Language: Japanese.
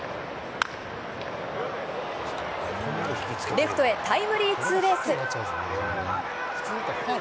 レフトへタイムリーツーベース。